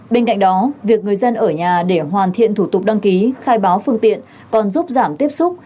bên cạnh đó việc người dân ở nhà để hoàn thiện thủ tục đăng ký khai báo phương tiện còn giúp giảm tiếp xúc